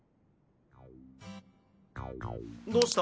どうした？